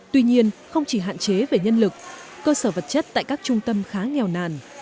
tuy nhiên không chỉ hạn chế về nhân lực cơ sở vật chất tại các trung tâm khá nghèo nàn